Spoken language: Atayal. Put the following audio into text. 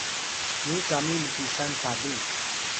nyu cami mtisan sali